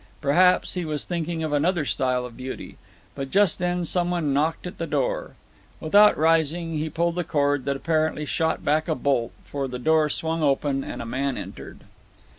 Perhaps he was thinking of another style of beauty. But just then someone knocked at the door. Without rising, he pulled a cord that apparently shot back a bolt, for the door swung open, and a man entered.